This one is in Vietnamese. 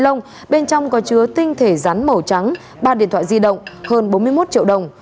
lông bên trong có chứa tinh thể rắn màu trắng ba điện thoại di động hơn bốn mươi một triệu đồng